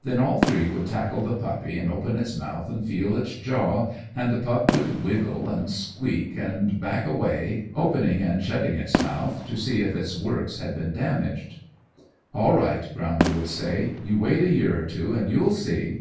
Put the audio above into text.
Then all three would tackle the puppy and open its mouth and feel its jaw, and the pup would wriggle and squeak, and back away, opening and shutting its mouth to see if its works had been damaged. "All right!" Brownlee would say. "You wait a year or two and you'll see!"